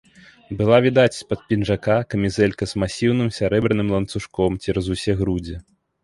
Была відаць з-пад пінжака камізэлька з масіўным сярэбраным ланцужком цераз усе грудзі.